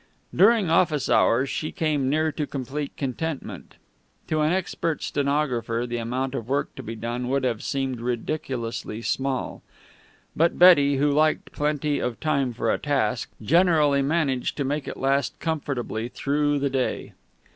During office hours she came near to complete contentment. To an expert stenographer the amount of work to be done would have seemed ridiculously small, but Betty, who liked plenty of time for a task, generally managed to make it last comfortably through the day.